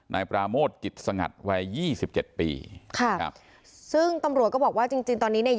นายปราโมทกิจสงัดวัยยี่สิบเจ็ดปีค่ะครับซึ่งตำรวจก็บอกว่าจริงจริงตอนนี้เนี่ย